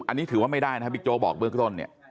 อันนี้ถือว่าไม่ได้นะครับบิ๊กโจ๊กบอกเบื้องต้นเนี่ย